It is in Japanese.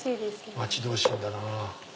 待ち遠しいんだな。